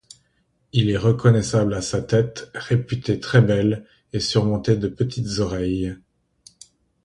Il est reconnaissable à sa tête, réputée très belle, et surmontée de petites oreilles.